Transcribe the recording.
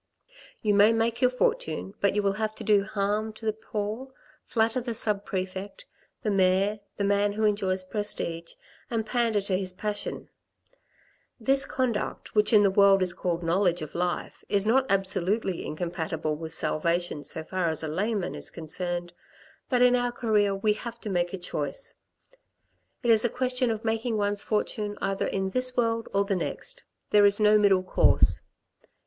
You may make your fortune, but you will have to do harm to the poor, flatter the sub prefect, the mayor, the man who enjoys prestige, and pander to his passion; this conduct, which in the world is called knowledge of life, is not absolutely incompatible with salvation so far as a layman is concerned ; but in our career we have to make a choice ; it is a question LITTLE EPISODES 47 of making one's fortune either in this world or the next ; there is no middle course.